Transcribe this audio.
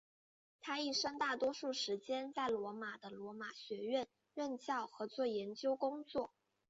他一生大多数时间在罗马的罗马学院任教和做研究工作。